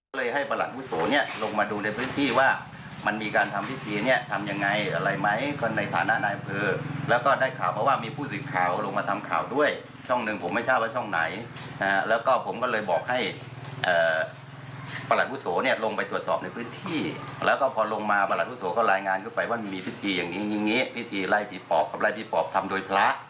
ก็เลยให้ประหลักภูมิโสโหลงมาดูในพื้นที่ว่ามันมีการทำพิธีเนี่ยทำยังไงอะไรไหมก็ในฐานะนายเผลอแล้วก็ได้ข่าวเพราะว่ามีผู้สื่อข่าวลงมาทำข่าวด้วยช่องหนึ่งผมไม่ชอบว่าช่องไหนแล้วก็ผมก็เลยบอกให้ประหลักภูมิโสโหลงไปตรวจสอบในพื้นที่แล้วก็พอลงมาประหลักภูมิโสโหลก็รายงานให้ไปว่ามีพิธีอย